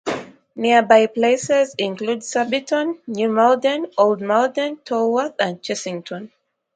Nearby places include Surbiton, New Malden, Old Malden, Tolworth and Chessington.